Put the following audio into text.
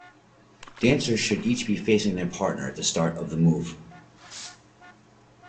Dancers should each be facing their partner at the start of the move.